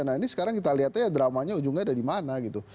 nah ini sekarang kita lihatnya dramanya ujungnya ada di mana gitu